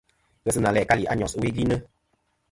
Ghesina læ kalì a Nyos ɨwe gvi nɨ̀.